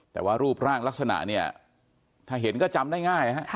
แต่ว่ารูปร่างลักษณะเนี่ยถ้าเห็นก็จำได้ง่าย